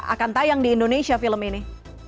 akan tayang di indonesia film ini